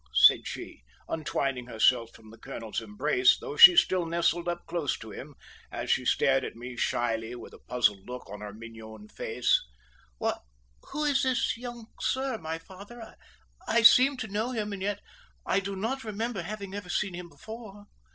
said she, untwining herself from the colonel's embrace, though she still nestled up close to him, as she stared at me shyly, with a puzzled look on her mignonne face. "Why, who is this young sir, my father? I seem to know him, and yet I do not remember having ever seen him before!"